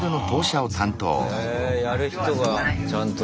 へえやる人がちゃんと。